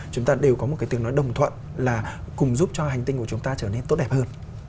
chúng ta đều có một cái tiếng nói đồng thuận là cùng giúp cho hành tinh của chúng ta trở nên tốt đẹp hơn